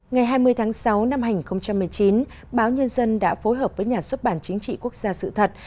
ngày hai mươi tháng sáu năm hai nghìn một mươi chín báo nhân dân đã phối hợp với nhà xuất bản chính trị quốc gia sự thật